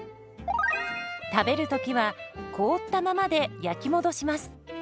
食べる時は凍ったままで焼き戻します。